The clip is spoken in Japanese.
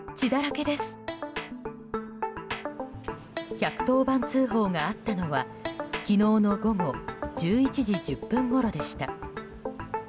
１１０番通報があったのは昨日の午後１１時１０分ごろでした。